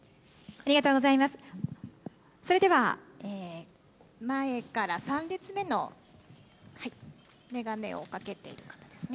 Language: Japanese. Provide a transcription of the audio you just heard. それでは前から３列目の眼鏡をかけている方ですね。